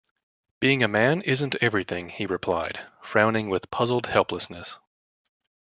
“Being a man isn’t everything,” he replied, frowning with puzzled helplessness.